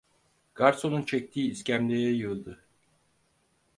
Garsonun çektiği iskemleye yığıldı.